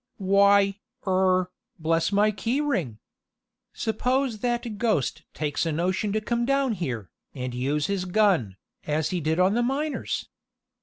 "Why er bless my key ring! Suppose that ghost takes a notion to come down here, and use his gun, as he did on the miners?"